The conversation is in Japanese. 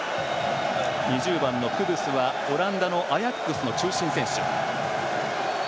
２０番のクドゥスはオランダのアヤックスの中心選手。